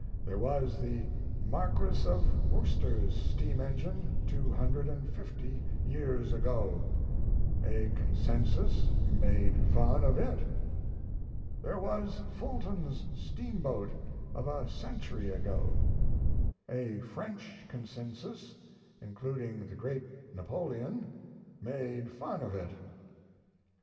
There was the Marquis of Worcester's steam engine 250 years ago: a Consensus made fun of it. There was Fulton's steamboat of a century ago: a French Consensus, including the great Napoleon, made fun of it.